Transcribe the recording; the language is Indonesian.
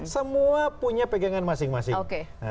semua punya pegangan masing masing